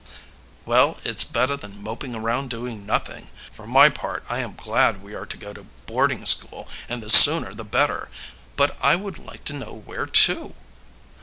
"Well, it's better than moping around doing nothing. For my part, I am glad we are to go to boarding school, and the sooner the better. But I would like to know where to?"